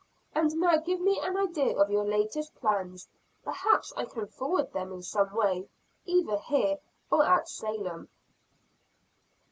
And now give me an idea of your latest plans. Perhaps I can forward them in some way, either here or at Salem."